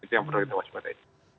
itu yang perlu kita waspadai